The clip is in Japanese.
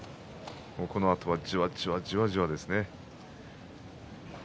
このあとは、じわじわじわじわ。